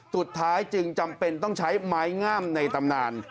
จึงจำเป็นต้องใช้ไม้งามในตำนาน